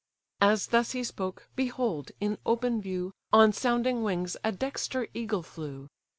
As thus he spoke, behold, in open view, On sounding wings a dexter eagle flew.